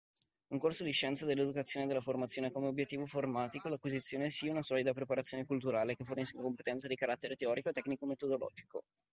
Un corso di scienze dell'Educazione e della Formazione ha come obbiettivo formatico l'acquisizione si una solida preparazione culturale, che fornisca competenze di carattere teorico e tecnico-metodologico.